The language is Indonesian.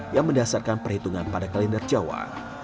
yang mendasarkan perhitungan pada kalender jawa